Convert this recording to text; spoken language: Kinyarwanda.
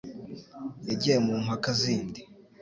Yagiye mu mpaka zindi